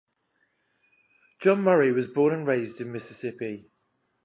John Murry was born and raised in Mississippi.